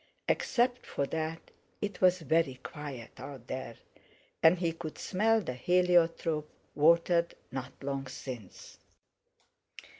Except for that it was very quiet out there, and he could smell the heliotrope watered not long since.